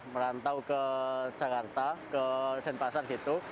merantau ke jakarta ke denpasar gitu